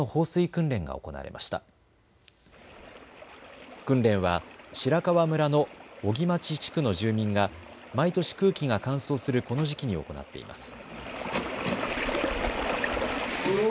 訓練は白川村の荻町地区の住民が毎年、空気が乾燥するこの時期に行っています。